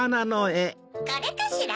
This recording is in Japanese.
これかしら？